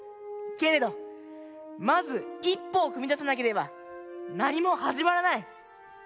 けれどまず一歩をふみださなければなにもはじまらない。